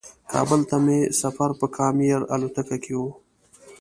کابل ته مې سفر په کام ایر الوتکه کې و.